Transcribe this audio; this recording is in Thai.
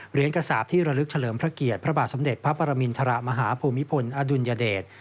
กระสาปที่ระลึกเฉลิมพระเกียรติพระบาทสมเด็จพระปรมินทรมาฮภูมิพลอดุลยเดช